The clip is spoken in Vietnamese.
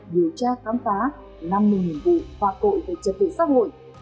điều tra khám phá năm mươi hình vụ phạt tội về chất lượng xã hội